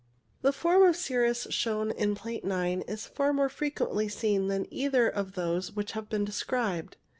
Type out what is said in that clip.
The form of cirrus shown in Plate 9 is far more frequently seen than either of those which have been described.